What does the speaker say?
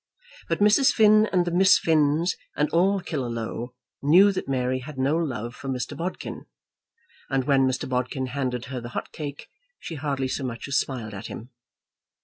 But Mrs. Finn and the Miss Finns and all Killaloe knew that Mary had no love for Mr. Bodkin, and when Mr. Bodkin handed her the hot cake she hardly so much as smiled at him.